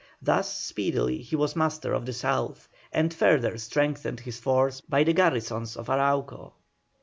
Thus speedily he was master of the South, and further strengthened his force by the garrisons of Arauco.